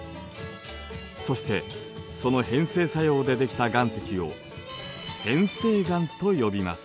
そしてその変成作用でできた岩石を変成岩と呼びます。